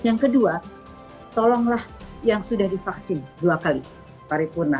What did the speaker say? yang kedua tolonglah yang sudah divaksin dua kali paripurna